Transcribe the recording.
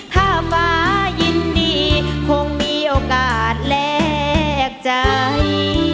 ถ้าฟ้ายินดีคงมีโอกาสแลกใจ